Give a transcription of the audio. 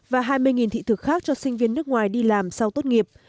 và hai mươi thị thực khác cho sinh viên nước ngoài đi làm sau tốt nghiệp